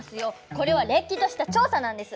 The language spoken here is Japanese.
これはれっきとした調査なんです。